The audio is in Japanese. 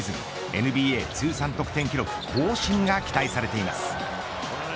ＮＢＡ通算得点記録更新が期待されています。